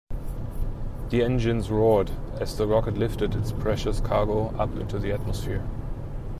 The engines roared as the rocket lifted its precious cargo up into the atmosphere.